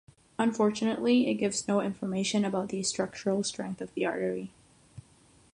Unfortunately, it gives no information about the structural strength of the artery.